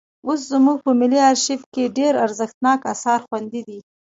اوس زموږ په ملي ارشیف کې ډېر ارزښتناک اثار خوندي دي.